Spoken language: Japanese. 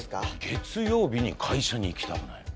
月曜日に会社に行きたくない？